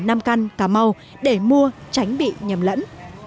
nam căn cà mau để mua tránh bị nhầm lẫn